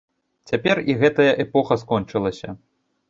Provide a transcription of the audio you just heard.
Цяпер і гэтая эпоха скончылася.